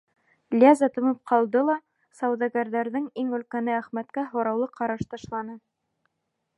Леза тымып ҡалды ла сауҙагәрҙәрҙең иң өлкәне Әхмәткә һораулы ҡараш ташланы.